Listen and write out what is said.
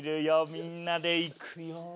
みんなでいくよ。